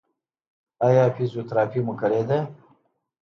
ایا فزیوتراپي مو کړې ده؟